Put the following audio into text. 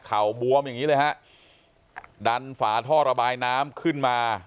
บวมอย่างงี้เลยฮะดันฝาท่อระบายน้ำขึ้นมา